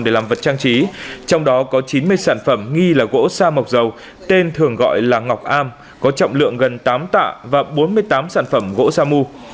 để làm vật trang trí trong đó có chín mươi sản phẩm nghi là gỗ sa mộc dầu tên thường gọi là ngọc am có trọng lượng gần tám tạ và bốn mươi tám sản phẩm gỗ sa mu